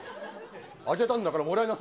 あげたんだからもらいなさい